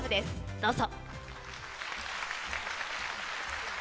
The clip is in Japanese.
どうぞ。